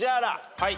はい。